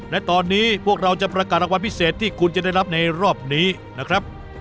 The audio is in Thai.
และตอนนี้พวกเราจะประกาศรางวัลพิเศษที่คุณจะได้รับในรอบนี้นะครับ